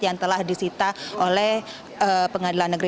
yang telah disita oleh pengadilan negeri